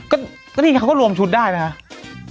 ก็นี่เค้าก็รวมชุดได้บ้าง